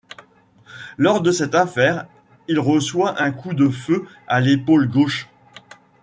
Lors de cette affaire, il reçoit un coup de feu à l’épaule gauche.